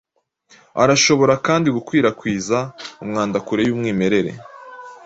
arashobora kandi gukwirakwiza umwanda kure y’umwimerere